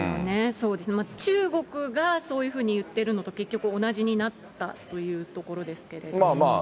そうですね、中国がそういうふうに言っているのと、結局、同じになったというところですけれども。